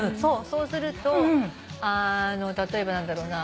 そうすると例えば何だろうな。